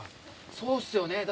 そうですよね。